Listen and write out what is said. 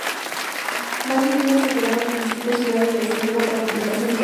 Varios de ellos se quedaron en distintas ciudades del extranjero para completar su educación.